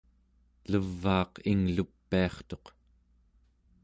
levaaq inglupiartuq